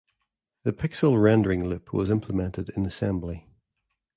The pixel rendering loop was implemented in assembly.